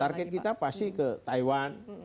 target kita pasti ke taiwan